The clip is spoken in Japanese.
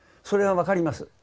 それは分かります